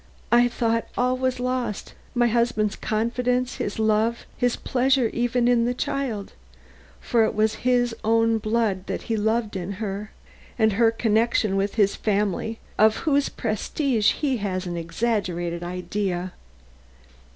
I thought all was lost my husband's confidence, his love, his pleasure even in the child, for it was his own blood that he loved in her, and her connection with his family of whose prestige he has an exaggerated idea.